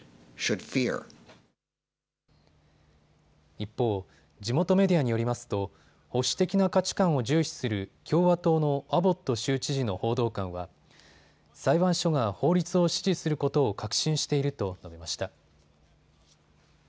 一方、地元メディアによりますと保守的な価値観を重視する共和党のアボット州知事の報道官は裁判所が法律を支持することを確信していると述べました。